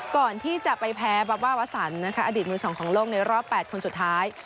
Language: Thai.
ก่อนที่จะไปแพ้บับบ้าวะสันอดีตมือสองของโลกในรอบ๘คนสุดท้าย